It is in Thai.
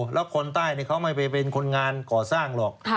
แล้วคนใต้เขาไม่ไปเป็นคนงานก่อสร้างหรอก